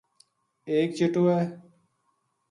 ایک چِٹو ہے